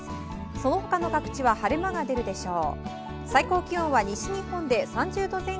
その他の各地は晴れ間が出るでしょう。